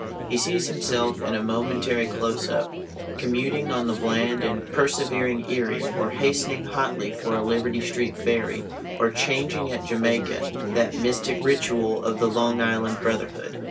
He sees himself (in a momentary close up) commuting on the bland and persevering Erie, or hastening hotly for a Liberty Street ferry, or changing at Jamaica (that mystic ritual of the Long Island brotherhood).